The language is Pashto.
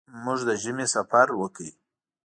موږ د ژمي سفر وکړ.